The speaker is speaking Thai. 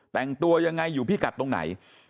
แต่งตัวยังไงอยู่พิกัดตรงไหน